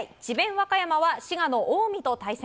和歌山は滋賀の近江と対戦。